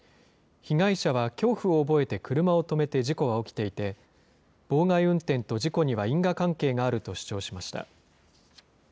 被害者は恐怖を覚えて車を止めて事故は起きていて、妨害運転と事故には因果関係があると主張しました。